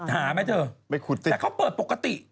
หาไหมเถอะแต่เขาเปิดปกติ